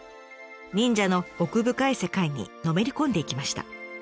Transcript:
忍者の奥深い世界にのめり込んでいきました。